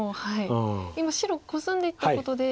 今白コスんでいったことで。